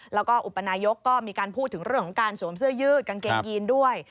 แล้วก็อุปนายกก็มีการพูดถึงเรื่องของการสวมเสื้อยืดกางเกงยีนด้วย